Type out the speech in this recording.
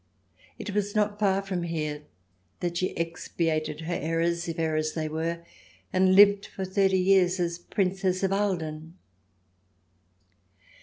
It was not far from here that she expiated her errors, if errors they were, and lived for thirty years as Princess of Ahlden.